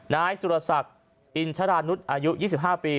นายสุรสักอินชรานุฏอายุ๒๕ปี